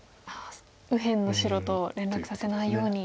右辺の白と連絡させないように。